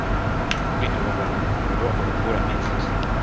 Kuri aba bantu umubiri wabo uba ubura enzymes